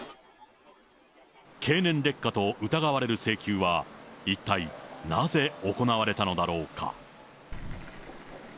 経年劣化と疑われる請求は一体なぜ行われたのだろうか。